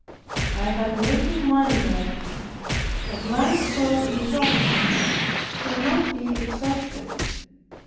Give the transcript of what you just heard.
I had little money left, but my store in Providence could not be exhausted.